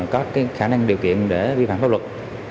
có khả năng điều kiện để vi phạm pháp luật